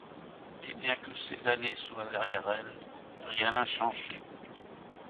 Et bien que ces années soient derrière elle, rien n’a changé.